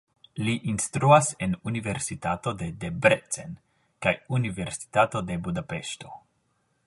Li instruas en universitato de Debrecen kaj Universitato de Budapeŝto.